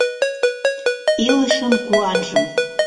Илышын куанжым